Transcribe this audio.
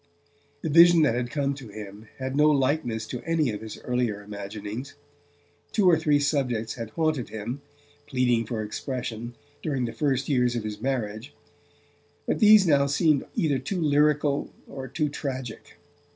The vision that had come to him had no likeness to any of his earlier imaginings. Two or three subjects had haunted him, pleading for expression, during the first years of his marriage; but these now seemed either too lyrical or too tragic.